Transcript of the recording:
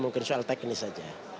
mungkin soal teknis saja